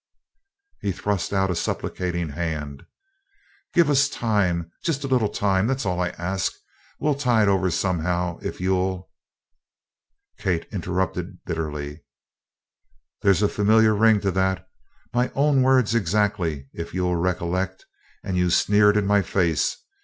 He thrust out a supplicating hand: "Give us time just a little time that's all I ask! We'll tide over somehow if you'll " Kate interrupted bitterly: "There's a familiar ring to that. My own words exactly, if you will recollect and you sneered in my face."